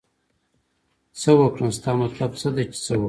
څه وکړم ستا مطلب څه دی چې څه وکړم